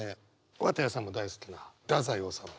綿矢さんも大好きな太宰治